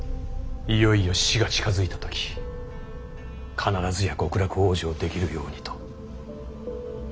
いよいよ死が近づいた時必ずや極楽往生できるようにと。